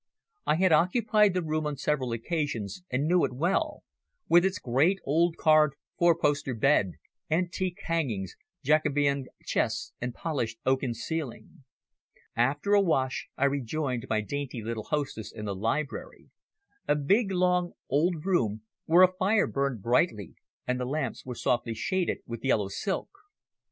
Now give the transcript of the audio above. I had occupied the room on several occasions, and knew it well, with its great old carved four poster bed, antique hangings, Jacobean chests and polished oaken ceiling. After a wash I rejoined my dainty little hostess in the library a big, long, old room, where a fire burned brightly and the lamps were softly shaded with yellow silk.